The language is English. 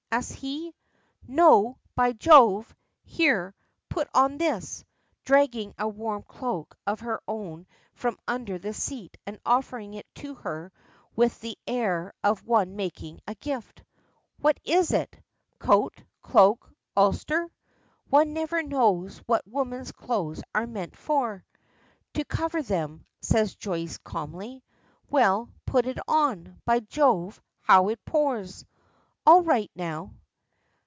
asks he. "No, by Jove! Here, put on this," dragging a warm cloak of her own from under the seat and offering it to her with all the air of one making a gift. "What is it? Coat cloak ulster? One never knows what women's clothes are meant for." "To cover them," says Joyce calmly. "Well, put it on. By Jove, how it pours! All right now?"